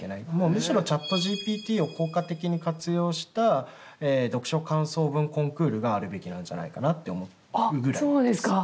むしろＣｈａｔＧＰＴを効果的に活用した読書感想文コンクールがあるべきなんじゃないかなって思うぐらいです。